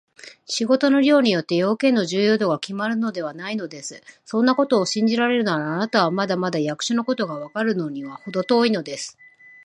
仕事の量によって、用件の重要度がきまるのではないのです。そんなことを信じられるなら、あなたはまだまだ役所のことがわかるのにはほど遠いのです。